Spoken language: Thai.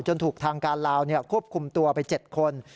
ถูกทางการลาวควบคุมตัวไป๗คน